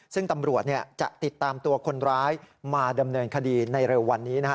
ซึ่งตำรวจจะติดตามตัวคนร้ายมาดำเนินคดีในเร็ววันนี้นะฮะ